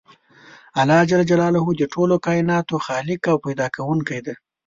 الله ج د ټولو کایناتو خالق او پیدا کوونکی دی .